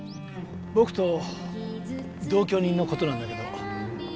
僕と同居人のことなんだけど。